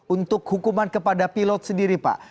untuk hukuman kepada pilot sendiri pak